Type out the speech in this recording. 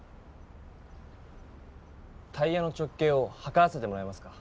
タイヤの直径をはからせてもらえますか？